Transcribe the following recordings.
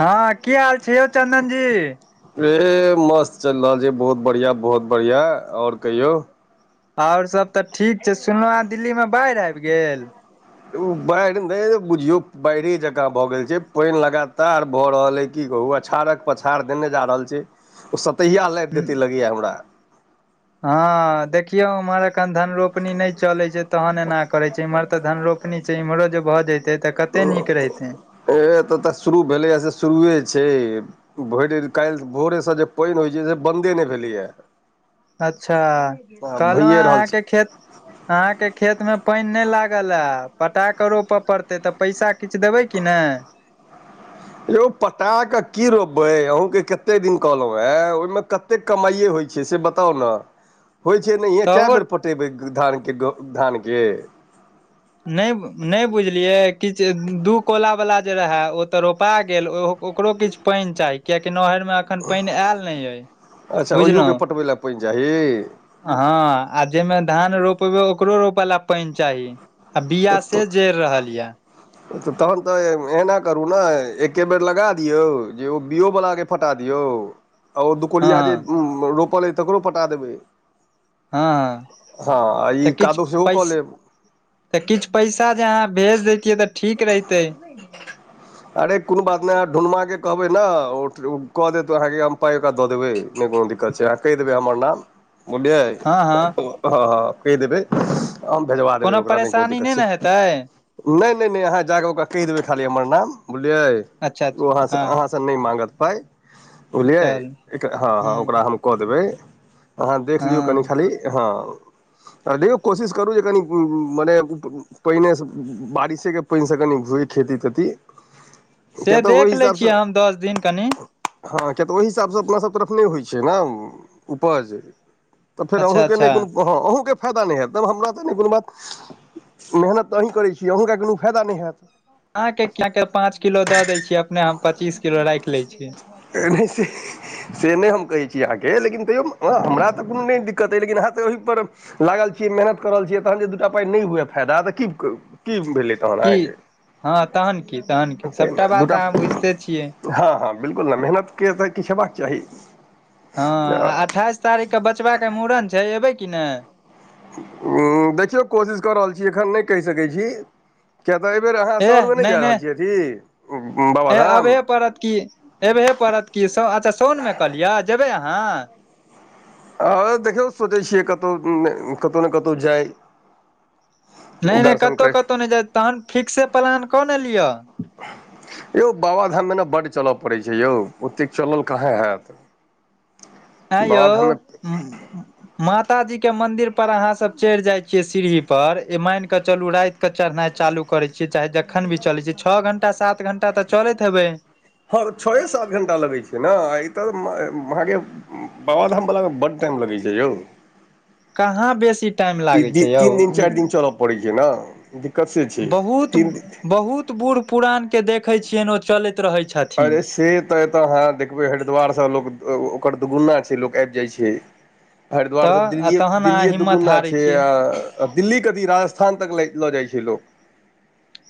हँ कि हाल छै यौ चन्दन जी। एहे मस्त चलि रहल छै, बहुत बढ़िआँ बहुत बढ़िआँ आओर कहियौ। आओर सभ तऽ ठीक छै, सुनलहु आ दिल्ली मे बाढ़ि आबि गेल। बाढ़ ने बुझियो बाढ़े जकाँ भए गेल छै। पैन लगातार भए रहल अछि। कि कहू अछाड़क पछाड़ देने जा रहल छै, ओ सतहिया लाबि देतै लगैया हमरा। हँ देखियौ उम्हर एखन धन रोपनी नहि चले छै तहन एना करे छै इम्हर तऽ धन रोप कखनी छै इम्हरो जे भऽ जते तऽ कते नीक रहहिते एतय तऽ शुरू भेलैए से शुरु छै। भोर काल्हि भोरेसँ जे पाइन होइत छै से बन्दे नहि भेलैए। अच्छा, कहलहुँ भैए रहल छै अहाँकेँ खेत अहाँकेँ खेतमे पाइन नहि लागल ह पटा कऽ रोपय पड़तै तऽ पैसा किछु देबै की ने। यो पटा कि की रोपबे अहाँकेँ कते दिन कहलहूँ हे ओहिमे क कतेक कमाइए होइ छै, से बताउ ने होइ छै नहिये, कैए तबो बेर पटेबै धानके धानके नहि, नहि बुझलियै किछु दू कोला वला जे रहए ओ तऽ रोपा गेल ओ ओकरो किछ पाइन चाहि कियाकि नहर मे पाइन आईल नहि आइ, अच्छा बझलहुँ? ओहियोके पटबै लए पानि चाही हँ, आ जाहिमे धान रोपेबै ओकरो रोप लऽ पाइन चाही आ, बिआ से जड़ रहल ये [inaudible] त तहन तऽ एना करू ने एके बेर लगा दियौ, जे ओ बीओ वला के फटा दियौ ओ हँ दुकोलिया जे रोपल अइ तकरो पटा देबै। हँ हँ आ तऽ ई किछु कादो सेहो पै। कऽ लेब तऽ किछु पैसा जे अहाँ भेज देतियै तऽ ठीक रहितै। अरे कोनो बात नहि अहाँ ढुँमाके कहबै ने कऽ देत अहाँकेँ हम पाइ ओकरा दऽ देबै। कोनो दिक्कत छै, आ कहि देबै हमर नाम बुझलिये? हँ, हँ। हँ, कहि देबै भेजवा देबै ओकरा नहि कोनो परेशानी दिक्कत छै। ने हेतै नहि, नहि, नहि अहाँ जाक ओकरा कहि देबै खाली हमर नाम, बूझलिये? अच्छा अच्छा हँ तऽ नहि मंहत पाई बुझलीये, चल हूँ, हूँ ओकर हम कार देने अहाँ देख लियौ कनि हँ खाली, हँ, आ देखियऔ कोशिश करू जे कनि मने। पानएसँ बारिशेके पानिसँ कनि घुए खेती तेती से किया तऽ ओहि देख लै छियै, हिसाबसँ हम दस दिन कनि। हँ, किया तऽ ओहि हिसाब सँ अपना सभ तरफ नहि होइत छै ने उपज तऽ फेर अच्छा अहूँ के नहि अच्छा कोनो अहूँ के फायदा नहि हयैत तब हमरा तऽ नहि कोनो बात मेहनत तऽ अही करैत छी अहूँ केँ कोनो फायदा नहि हयत। अहाँकेँ कि पाँच किलो दऽ दै छियै अपने हम पच्चीस किलो राखि लै छिय [inaudible] नहि से नहि हम कहै छी, अहाँकेँ लेकिन तैयौ हमरा तऽ कोनो नहि दिक्कत अइ लेकिन अहाँ तऽ ओहिपर। लागल छियै, मेहनत करल छियै, तखन जे दूटा पाइ नहि हुए फायदा तऽ कि भेलै तहन की अहाँकेँ हँ, तहन कि तहन कि सभटा बात दूटा अहाँ बुझिते छियै। हँ, हँ, बिल्कुल ने मेहनत के तऽ किछु हयबाक चाही। हँ, आ अठाइस तारीख के बचबा के मूड़न छै, अयबै कि नहि। देखियौ कोशिश कऽ रहल छी, एखन नहि कहि सकैत छै। किए तऽ एहिबेर अहाँ साउनमे नहि जा रहल छियै अथि बाबाधाम पड़त कि एयबहे पड़त कि अच्छा सोनमे कहलियै जेबै अहाँ। आ देखियौ सोचै छियै कतहु कतहु ने कतहु जाय नय नय कतहु कतौ नहि जाय तहन फिक्से प्लान कऽ ने लियअ यौ बाबाधाममे ने बड्ड चलय पड़ैत छय यौ ओतेक चलल कहाँ हैत हं ययौ बाबाधाममे ह माता जी के मंदिर पर अहाँ सब चढ़ जाय छीयै सीढ़ी पर ए मान क चलू राति केऽ चढ़नाइ चालू करै छियै चाहे जखन भी चलै छियै छओ घण्टा सात घण्टा तऽ चलैत हेबइ हँ छओ सात घंटा लगै छै ने ई तऽ अहाँके बाबाधाम बलाके बड टाइम लगय छै यौ कहाँ बेसी टाइम लागै छय यौ पड़ीक ने दिक्कत छय बहुत बहुत बूढ़ पुरानके देखैत छियनि ओ चलैत रहैत छइथ अरे से तऽ एतय अहाँ देखबै हरिद्वारसँ लोक ओकर दुगुना छय लोक आबि जाइत छै हरिद्वारसँ तऽ दिल्लिए तहन अहाँ दिल्लिए हिम्मत दुगुन्ना हारै छय छियै आ दिल्ली कथी राजस्थान तक लऽ जाइ छय लोक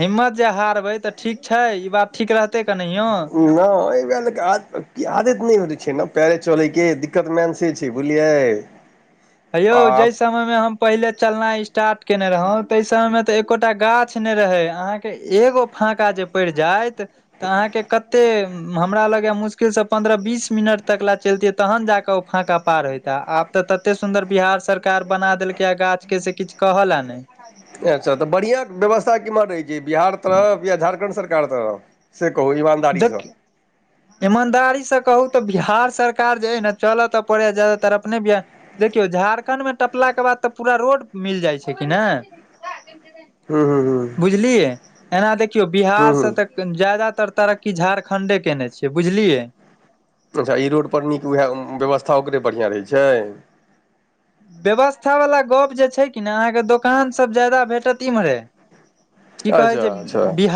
हिम्मत जे हारबै तऽ ठीक छय ई बात ठीक रहतै कनहियो नहि एहिऽ क आदत नहि हो छै ने पैरे चलैके दिक्कत मेनसे छय बुझलियै हे यौ आ जाहि समय में हम पहिले चलना स्ट्ट केने रहउ ता सबय मे तऽ एकोटा गाछ ने रहे अहाँके एगो फका जे पड़ जायइत तऽ अहाँके कऽ एते हमरा लगे मुश्किल से पन्द्रह बीस मिनट तक ले चलतिये तहन जाके ओ फाका पार होेते तऽ आब तऽ तते सुन्दर बिहार सरकार बना देलकै ह गाछ के से किछु कहल हं ने अच्छा तऽ बढ़िआँ व्यवस्था केमहर रहै छय बिहार तरफ या झारखण्ड सरकार तरफ से कहू ईमान धकि ईमानदारी से कहू तऽ बिहार सरकार जे हइ ने चलऽ तऽ पड़े हं जदातर अपने बि देखियौ झारखंडमे टपलाक के बाद तऽ पूरा रोड मिल जाइ छै कि ने हूँ हूँ हूँ बुझलियै एना देखियौ हूँ बिहार से हूँ तऽ जादातर तरक्की झारखंडे केने छियै बुझलियै अच्छा ई रोडपर नीक वएह व्यवस्था ओकरे बढ़िआँ रहै छय व्यवस्था वालला गप जे छय कि ने अहाँके दोकान सब ज्यादा भेटत इम्हरे की कहै अच्छा छै अच्छा बि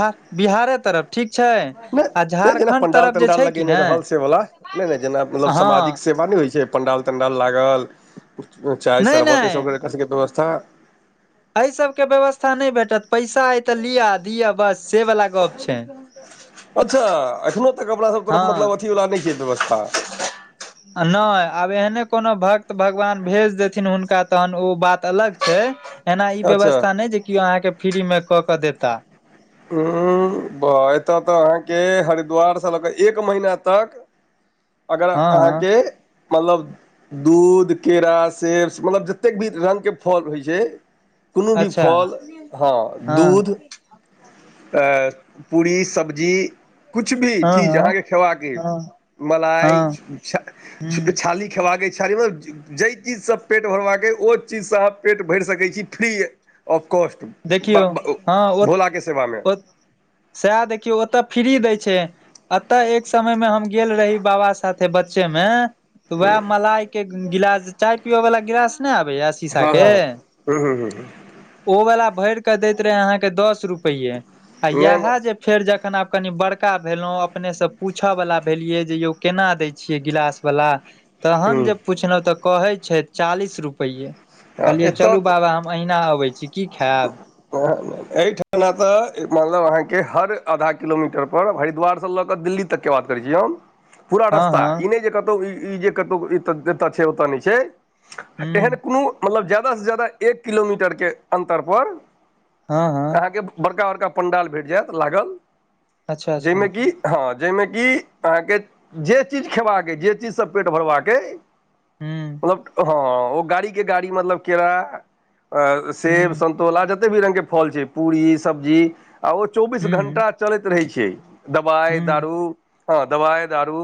बिहारे तरफ ठीक छै आ झारखण्ड तरफ जे छय कि ने व नहि नहि जेना मतलब हँ साजिक सेवा नहि होइ छय पण्डाल तण्डाल लागल चाय नहि शरबत ई नहि सब एकरा सबके व्यवस्था एहि सब के व्यवस्था नय भेटत पैसा अ तऽ लिया दिया बस से वला अच्छा एखनो तक अपना सब तरफ हँ मतलब अथीवला नहि छय व्यवस्था नहि आब एहने कोनो भक्त भगवान भेज देथिन हुनका तहन ओ बात अलग छय एना ई अच्छा व्यवस्था नहि जे केओ अहाँके फ्री में कऽ के देता हं ब एतऽ तऽ अहाँके हरिद्वार से लऽ कऽ एक महीना तक अगर हँ हँ अहाँके मतलब दूध केरा सेब मतलब जतेक भी रंगके फल होइत छय कोनो भी अच्छा फल हँ हँ दूध तऽ पूड़री सब्जी किछ भी हँ चीज अहाँके हँ खेबाके हँ मलाई हँ ह छाली खेबाक के छी म जाहि चीजसँ पेट भरबाक अइ ओहि चीजसँ अहाँ पेट भरि सकइ छी फ्री ऑफ कॉस्ट देखियउ हँ ओ भोलाके सेवामे ओ सएह देखियौ ओतय फ्री दय छै एतय एक समय मे हम गेल रही बाबा साथे बच्चे मे तऽ वएह मलाइ के गिलास चाय पियो वालला गिलास नय आबे या शीशा हँ के हँ हँ ओ वला भर कऽ दैत रहे अहाँके दस रुपे आ नहि इएह जे नहि फेर जखन आब कनि बड़का भेलहुँ अपनेसँ पूछऽवला भेलियै जे यौ केना दय छियै गिलास वला तहन जे पुछलहु तऽ कहै छय चालीस रुपे कहलियै चलू एतय बाबा हम अहिना अबय छी की खायब एहिठना तऽ मतलब अहाँके हर आधा किलोमीटर पर हरिद्वारसँ लऽ कऽ दिल्ली तक के बात करजए हम पूरा हँ रास्ता ई हँ नय जे कतहु ई जे कतहु एतय छै ओतय नहि छै एहन हूँ कुनु मतलब जा्यदासँ जादा एक किलोमीटरके अन्तरपर हँ हँ अहाँके बड़का बड़का पंडाल भेट जैत लागल अच्छा जाहि अच्छा में हूँ कि हँ जाहि में कि अहाँके जे चीज खेबाक अ जे चीजसँ पेट भरबाके हूँ हं वो गाड़ी के कैरा सेब हूँ वला जते भी रंगग के फल छय पूरी सब्जी आ ओ चौबीस हूँ घंटा चलैत रहै छै दबाइ दारू हँ दवा दारू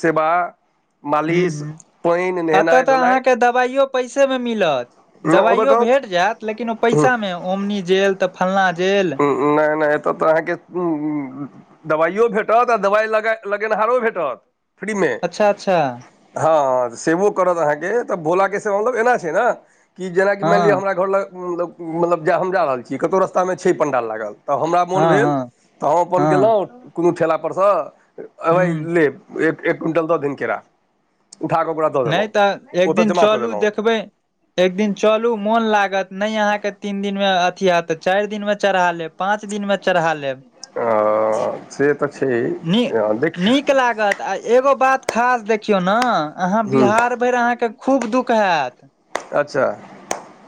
सेवा हं मालिश हं पानि एतौ नहेनाइ तऽ धोनाइ अहाँके दवाइयो पैसे मे मिलत ओतऽ दवाइयो भेट कहू जायत लेकिन ओ पैसा में ओमनी ज तऽ फलना जेल नय नय एतऽ तऽ अहाँके दबाइो भेटत आ दबाइ लगा लगेनहारो भेटत फ्री में अच्छा अच्छा हँ सेबो करत अहाँकेँ तऽ भोलाके से मतलब एना छय ने जेनाकि मानि लिअ हँ हमरा घर लगत मतलब जा हम जा रहल छी कतहु रस्ता में छै पण्डाल लागल तऽ हमरा मोन हँ भेल हँ तऽ हम अपन गेलौ हँ कोनो ठेलापरसँ अबय हूँ लेब एक एक क्विंटल दऽ दिन केरा उठा कऽ ओकरा दऽ नय देलहुँ तऽ एक ओतय दिन जमा कऽ चलू देलहुँ देखबै एक दिन चलू मोन लागत नहि अहाँके तीन दिन में अथी हत तऽ चारि दिन मे चढ़ा लेब पाँच दिन में चढ़ा लेब से तऽ छय देखियौ तऽ एगो बात खास देखियउ ने अहाँ हूँ बिहार भरि अहाँके खूब दुःख हैत अच्छा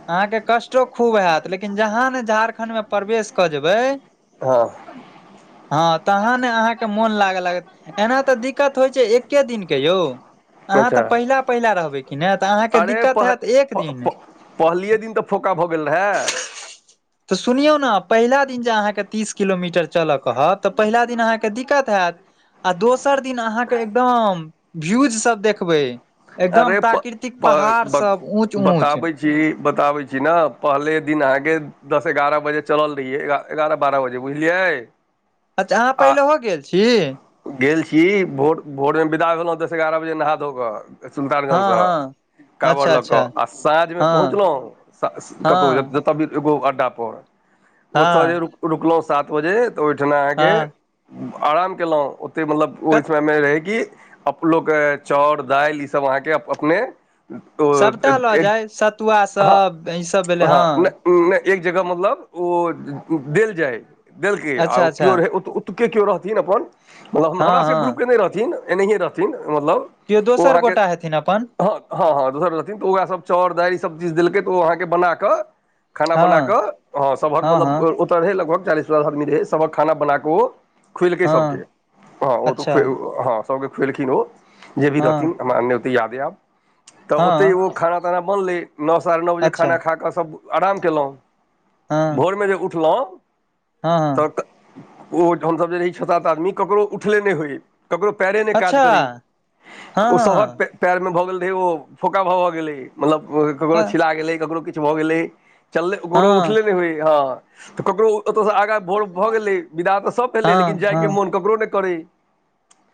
अहाँके कष्टो खूब हत लेकिन जहाँ ने झारखंड में प्रवेश कऽ जेबै हँ हँ तह अहाँ के मोन लागे लागत एना तऽ दिक्कत होइ छै एक दिन के यौ अहाँ तऽ अच्छा पहिला पहिला रहबै की नय तऽ अहाँके अरे दिक्कत पह होत एक दिन प पहलिये दिन तऽ फोका भऽ गेल रहय तऽ सुनौ ने पहिला दिन जे अहाँ के तीस किलोमीटर चलय कहत तऽ पहिला दिन अहाँ के दिक्कत होत आ दोसर दिन अहाँके एकदम भ्यूज सब देखबै एकदम अरे प प्राकृतिक पहाड़ सब ऊँच ऊँच जी बताबै छी न पहले दिन अहाँके दस एगारह बजे चलल रहियै एगारह बारह बजे बुझलियै अच्छा आहाँ आ पहिलेहो गेल छी गेल छी भोर भोर में विदा भेलहुँ दस एगारह बजे नहा धो कऽ हँ सुल्तानगंजसँ हँ काँवर अच्छा लऽ कऽ अच्छा आ साँझ में हँ पहुँचलहुं हँ कतौ तबी एगो अड्डा पर ओतऽ जे हँ रुकलहुं सात बजे तऽ ओहिठना अहाँके हँ आराम केलहुँ ओते मतलब ओहि कत समयमें रहै कि अलोक चाउर दालि ईसब आहाँके अपने ओ सभटा लऽ एक जाय सतुआ हँ सब ईसभ भेलै हँ नय एक जगह मतलब ओ देल जाइ छय देलकै आ अच्छा ओ अच्छा केओ रहय ओतके केओ रहथिन अपन हम हमरा हँ सबके हँ ग्रुपकेने रहथिन एनाहिए रहथिन मतलब किओ ओ दोसर गोटा अहाँके हेथिन अपन हँ हँ हँ दोसर रहथिन तऽ ओकास सभ चउर दाइल सब चीज देलकै तऽ ओ अहाँके बना कऽ खाना हँ बना कऽ हँ सभक मतलब ओतय रहय लगभग चालीस पचास आदमी रहै सभक खाना बना कऽ ओ खुएलकै हँ सबके हँ ओ तऽ अच्छा खु हँ सबके खुएलखिन ओ जे भी रहथिन हँ हमराने ओतेक यादे आयब तऽ ओतहि हँ ओ खाना ताना बनलै नओ साढ़े नओ बजे अच्छा खाना खा कऽ सब आराम कयलहुँ हँ भोर में जे उठलहुँ हँ तऽ हँ ओ ठीन सब जे रही छ सात आदमी ककरो उठले नहि होय ककरो पैरे नय काज अच्छा करै हँ ओ सबक हँ पयरमें भऽ गेल रहै ओ फोका भऽ भऽ गेलै मतलब ककरो हँ छिला गेलै ककरो किछु भऽ गेलै चललेकरो हँ उठले नय होय ह त ककरो ओतसँ आगा भोर भऽ गेलइ विदा तऽ सभ भेलै लेकिन हँ हँ जायके मोन ककरो नहि करै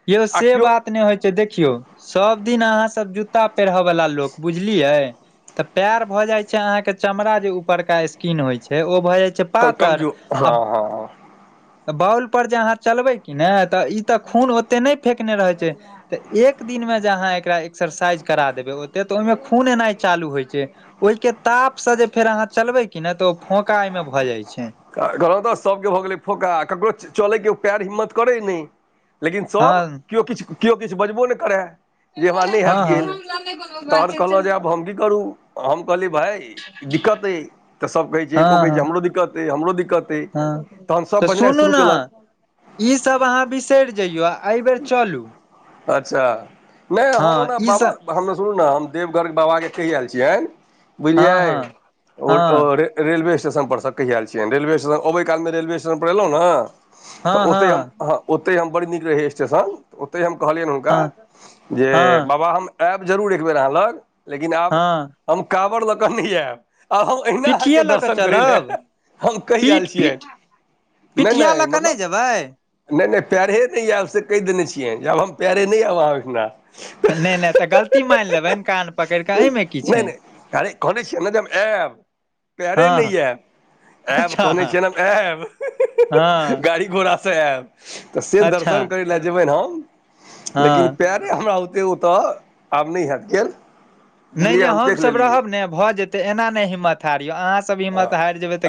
यौ से केओ बात ने होइ छय देखियौ सब दिन अहाँ सब कुरता पेहरेबला लोग बुझलियइ तऽ पेर भय जाय छै अहाँ के चमड़ा जे ऊपर के स्कीन होय छै ओ भय जाय छय कमजोर हँ हँ बाउल पर जे अहाँ चलबै की ने तऽ ई तऽ खून ओते नहि फेेकने रहैत छय तऽ एक दिन मे जे अहाँ एकरा एक्सरसाइज करा देबै ओते तऽ ओहि में खून एनाइ चालू होइ छै ओहिके ताप से जे फेर अहाँ चलबै की नय तऽ ओ फोका एहिमे भऽ जाइ छै कहलहु तऽ सभके भऽ गेलै फोका आ ककरो चलयके ओ पएर हिम्मत करै नय लेकिन सब हँ केओ किछु केओ किछु बजबो नहि करय जे हमरा नहि हँ हैत हँ गेल तहन कहलउ जे आब हम की करू हम कहली भाइ ई दिक्कत अइ तऽ सब कहै छै हँ एगो के हँ हमरो दिक्कत अइ हमरो दिक्कत अइ हँ तहन तऽ सभ बजनाइ सुनू शुरू ने केलक ई सब अहाँ बिसरि जइयो आ अयबेर चलु अच्छा नय हम ओना ई बाबा सब हम सुनू ने हम देवघर बाबा के कहिया एल छिय हँ हँ बिझलियै हँ ‌ रेलवे स्टेशन पर स कहिआल छियनि रेलवे स्टेशन अबै कालमें रेलवे स्टेशन पर एलहुँ न तऽ ओतहि हम हँ ओतहि हम बड़ नीक रहि स्टेशन तऽ ओतहि हम कहलियइन हुनका हँ जे हँ बाबा एब जरूर एक बेेर आहाँ लग लेकिन आब हँ हम काँवर लऽ कऽ नहि आयब आँहू अहिना अहाँके पिठिये लऽ कऽ दर्शन करइ लय चलब कैह आयल पीठ छियै पीठ नय पिठिया नय लऽ कऽ नहि मतलब जेबै नहि नहि पैरे नय आयब से कहि देने छियै आब हम पैरे नहि आब अहाँ ओहिठिना नय नय तऽ गलती मानि लेबनि कान पकड़ि कऽ एहिमे की छै कहै छियब आयब पैरे हँ नय आयब आयब अच्छा कहने छियइन हम आयब हँ गाड़ी घोड़ासँ आयब तऽ से अच्छा दर्शन करे लय जेबै हम लेकिन हँ पैर अरे हमरा ओते ओतऽ आब नय होैत गेल नहि बुझलियै नहि हम देख हमसब लेलियै रहब ने भऽ जेतै एना नहि हिम्मत हारियौ आहाँ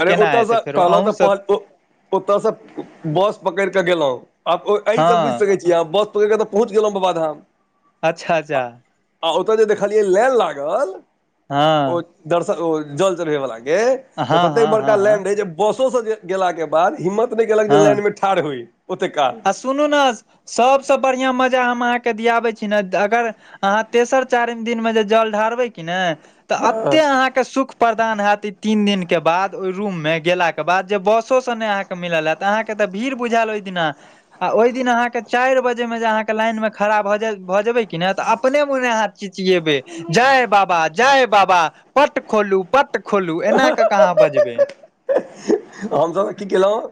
अरे ओतऽसँ कहल तऽ अहूँसभ पाँच ओतऽ सँ बस पकइड़ कऽ गेलहुँ आब हँ एहिहिसँ बुझि सकै छीय बस तो कत पहुँच गेलहुँ बाबाधाम अच्छा अच्छा आ ओतौ जे देखलियै लान लागल हँ ओ दर्शन ओ जल चढ़बै वला के हँ तऽ हँ हँ ततेक बड़का हँ लैंड रहै जे बसो से गेला के बाद हिम्मत नहि केलक जे लैन मे ठाढ़ होइ ओत खाड़ सुनु ने सबसँ बढ़िया मजा हम अहाँके दियाबे छी ने अगर अहाँ तेसर चारिम दिन में जे जल ढारबै किी ने तऽ एते अहाँके सुख प्रदान हत तीन दिन के बाद ओ रूम में गेला के बाद बसो मिलल हत अहाँके तऽ भीड़ बुझायल ओहि दिना आ ओहि दिन अहाँके चारि बजे में जे अहाँके लाइनमे खड़ा भऽ भऽ जेबै कि नहि तऽ अपने मोने अहाँ जय बाबा जय बाबा पट खोलू पट खोलू एना कऽ क आहाँ बजबइ हमसब की केलहुँ